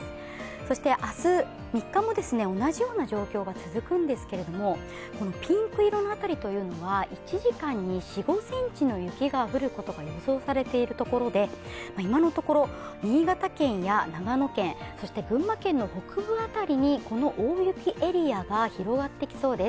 そして明日、３日も同じような状況が続くんですけれどもピンク色の辺りは１時間に４５ｃｍの雪が降ることが予想されているところで、今のところ、新潟県や長野県群馬県の北部辺りにこの大雪エリアが広がってきそうです。